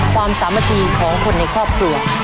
ความสามารถที่ของคนในครอบครัว